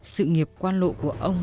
sự nghiệp quan lộ của ông